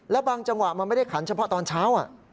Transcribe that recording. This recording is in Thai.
แล้วบางจังหวะมันไม่ได้ขันเฉพาะตอนเช้า